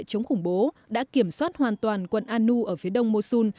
chống khủng bố đã kiểm soát hoàn toàn quận anu ở phía đông mosul